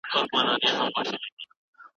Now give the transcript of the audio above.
استاد شاګرد ته نوي معلومات ورکړل.